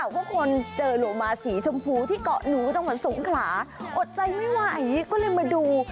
พวกคนเจอโรมาสีชมพูที่เกาะนู้ที่สงขลาอดใจไม่ไหวก็เลยมาดู